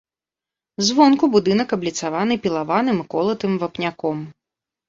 Звонку будынак абліцаваны пілаваным і колатым вапняком.